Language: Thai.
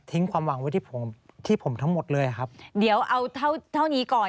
ทิ้งความหวังไว้ที่ผมทั้งหมดเลยครับเดี๋ยวเอาเท่านี้ก่อน